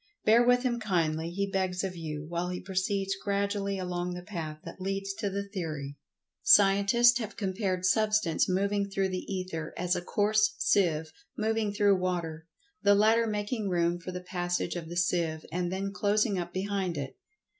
Bear with him kindly, he begs of you, while he proceeds gradually along the path that leads to the theory. Scientists have compared Substance moving through the Ether as a coarse seive moving through water, the latter making room for the passage of the seive, and then closing up behind it.